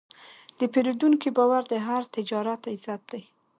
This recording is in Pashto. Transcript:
د پیرودونکي باور د هر تجارت عزت دی.